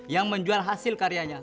yang menjual hasil karyanya